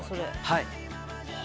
はい。